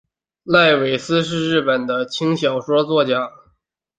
濑尾司是日本的轻小说作家。